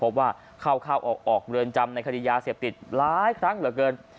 เข้าเข้าออกเรือนจำในคดียาเสพติดหลายครั้งเหลือเกิน